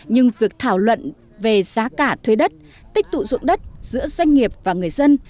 nhưng việc thảo luận về giá cả thuê đất tích tụ dụng đất giữa doanh nghiệp và người dân